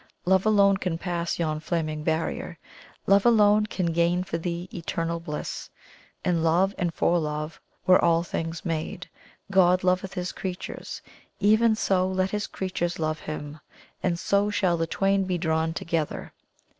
Love alone can pass yon flaming barrier love alone can gain for thee eternal bliss. In love and for love were all things made God loveth His creatures, even so let His creatures love Him, and so shall the twain be drawn together."